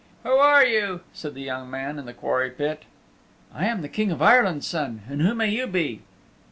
"Who are you?" said the young man in the quarry pit. "I am the King of Ireland's Son. And who may you be?"